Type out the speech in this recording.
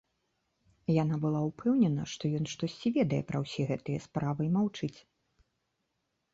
Яна была ўпэўнена, што ён штосьці ведае пра ўсе гэтыя справы і маўчыць.